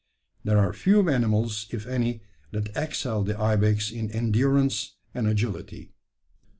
There are few animals, if any, that excel the ibex in endurance and agility.'"